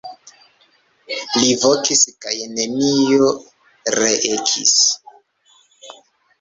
Li vokis kaj neniu reeĥis.